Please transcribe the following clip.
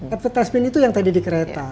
advertisment itu yang tadi di kereta